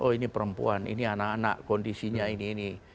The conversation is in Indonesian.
oh ini perempuan ini anak anak kondisinya ini ini